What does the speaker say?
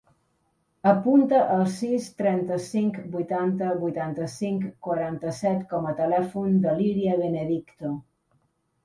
Apunta el sis, trenta-cinc, vuitanta, vuitanta-cinc, quaranta-set com a telèfon de l'Iria Benedicto.